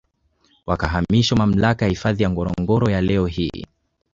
Wakahamishiwa Mamlaka ya Hifadhi ya Ngorongoro ya leo hii